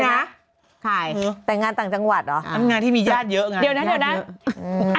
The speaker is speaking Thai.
ใครนะใครแต่งงานต่างจังหวัดอ๋ออันงานที่มีญาติเยอะไงเดี๋ยวน่ะเดี๋ยวน่ะ